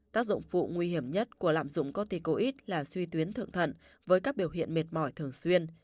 tác dụng phụ nguy hiểm nhất của lạm dụng corticoid là suy tuyến thượng thận với các biểu hiện mệt mỏi thường xuyên